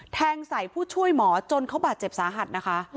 แทงใส่ผู้ช่วยหมอจนเขาบาดเจ็บสาหัสนะคะ